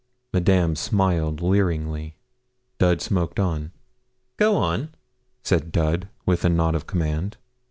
Madame smiled leeringly. Dud smoked on. 'Go on,' said Dud, with a nod of command.